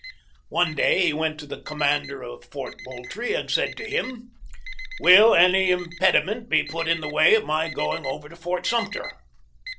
One dayjtie went to the com mander of Fort Moultrie and said to him :" Will any impediment be put in the way of my going over to Fort Sumter